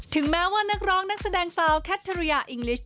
ถึงแม้ว่านักร้องนักแสดงสาวแคททาเรียอิงกลิชค่ะ